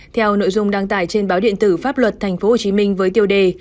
theo nội dung đăng tải trên báo điện tử pháp luật tp hcm với tiêu đề